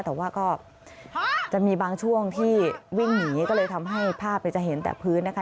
แต่ว่าก็จะมีบางช่วงที่วิ่งหนีก็เลยทำให้ภาพจะเห็นแต่พื้นนะคะ